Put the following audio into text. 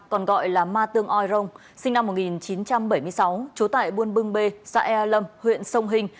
còn gọi là ma tương oi rông sinh năm một nghìn chín trăm bảy mươi sáu trú tại buôn bưng bê xã ea lâm huyện sông hình